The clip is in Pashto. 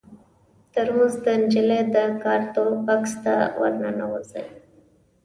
ترموز د نجلۍ د کارتو بکس ته ور ننوځي.